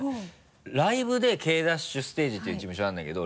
ライブでケイダッシュステージていう事務所なんだけど。